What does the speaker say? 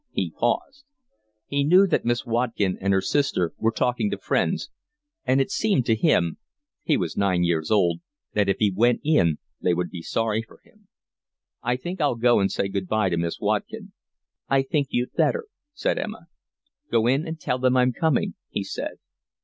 He paused. He knew that Miss Watkin and her sister were talking to friends, and it seemed to him—he was nine years old—that if he went in they would be sorry for him. "I think I'll go and say good bye to Miss Watkin." "I think you'd better," said Emma. "Go in and tell them I'm coming," he said.